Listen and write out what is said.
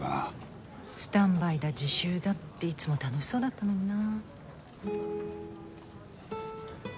スタンバイだ自習だっていつも楽しそうだったのにな。